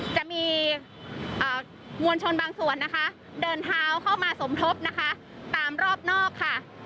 จะมีมวลชนบางส่วนเดินเท้าเข้ามาสมทบตามรอบนอก